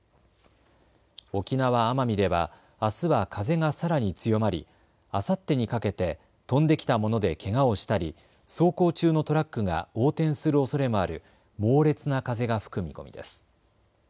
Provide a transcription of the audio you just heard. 沖縄・奄美ではあすは風がさらに強まり、あさってにかけて飛んできた物でけがをしたり走行中のトラックが横転するおそれもある猛烈な風が吹く見込みです。